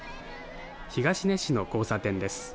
東根市の交差点です。